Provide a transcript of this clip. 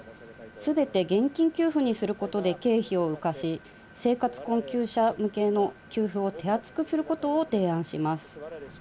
全て現金給付にすることで経費を浮かし、生活困窮者向けの給付を手厚くすることを提案します。